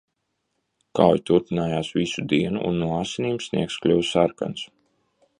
Kauja turpinājās visu dienu un no asinīm sniegs kļuva sarkans.